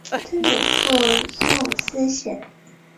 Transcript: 谢尔曼为美国堪萨斯州切罗基县的非建制地区。